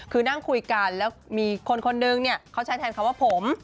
คือนั่งคุยกันแล้วมีคนคนนึงเนี่ยเขาใช้แทนคำว่าผม